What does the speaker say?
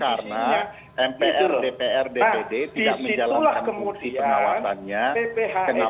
karena mpr dpr dpd tidak menjalankan fungsi penawakannya